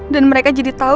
dan mereka jadi tau